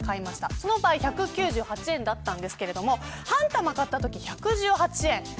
その場合１９８円だったんですけれども半玉買ったとき、１１８円。